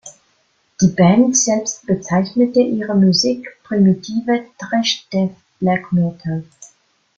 Die Band selbst bezeichnete ihre Musik „Primitive Thrash-Death-Black-Metal“.